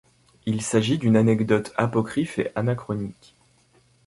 Il s'agit d'une anecdote apocryphe et anachronique.